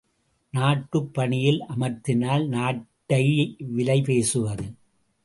நாட்டுப் பணியில் அமர்த்தினால் நாட்டையை விலை பேசுவது!